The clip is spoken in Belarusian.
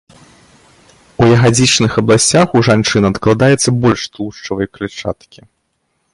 У ягадзічных абласцях ў жанчын адкладаецца больш тлушчавай клятчаткі.